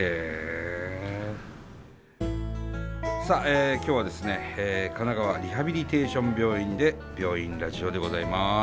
さあ今日はですね神奈川リハビリテーション病院で「病院ラジオ」でございます。